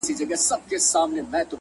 خپل هدف ته وفادار اوسئ